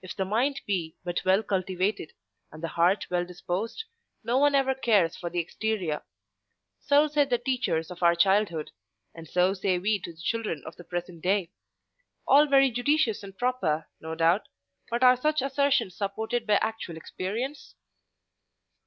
If the mind be but well cultivated, and the heart well disposed, no one ever cares for the exterior. So said the teachers of our childhood; and so say we to the children of the present day. All very judicious and proper, no doubt; but are such assertions supported by actual experience?